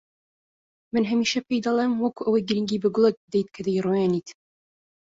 من هەمیشە پێی دەڵێم وەکو ئەوەی گرنگی بە گوڵێک بدەیت کە دەیڕوێنیت